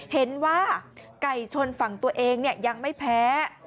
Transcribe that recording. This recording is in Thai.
เห็นว่าไก่ชนฝั่งตัวเองยังไม่แพ้